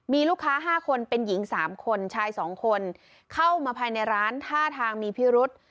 มีลูกค้า๕คนเป็นหญิง๓คนชาย๒คนเข้ามาภายในร้านท่าทางมีพิรุษ